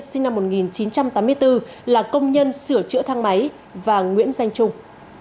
sinh năm một nghìn chín trăm tám mươi bốn là công nhân sửa chữa thang máy và nguyễn danh trung